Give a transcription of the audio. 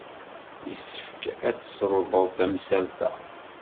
Yessefk ad tselḍed tamsalt-a.